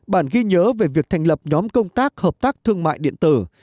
bản ghi nhớ về việc thành lập nhóm công tác hợp tác thương mại điện tử